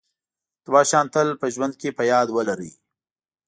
دوه شیان تل په ژوند کې په یاد ولرئ.